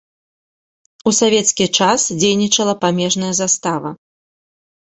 У савецкі час дзейнічала памежная застава.